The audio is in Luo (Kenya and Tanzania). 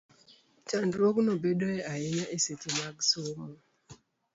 Chandruogno bedoe ahinya e seche mag somo,